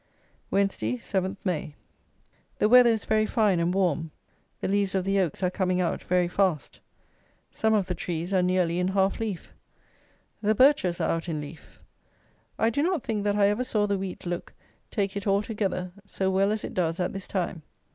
Wednesday, 7th May. The weather is very fine and warm; the leaves of the Oaks are coming out very fast: some of the trees are nearly in half leaf. The Birches are out in leaf. I do not think that I ever saw the wheat look, take it all together, so well as it does at this time.